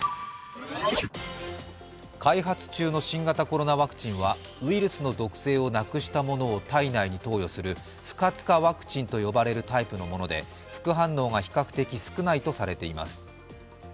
開発中の新型コロナワクチンはウイルスの毒性をなくしたものを体内に投与する不活化ワクチンと呼ばれるタイプのもので副反応が比較的少ないとされています。